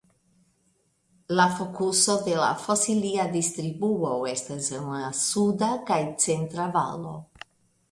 La fokuso de la fosilia distribuo estas en la suda kaj centra valo.